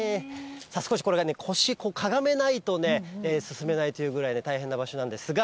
少しこれがね、腰、かがめないとね、進めないというぐらいで大変な場所なんですが。